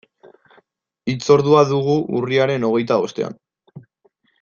Hitzordua dugu urriaren hogeita bostean.